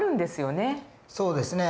そうですね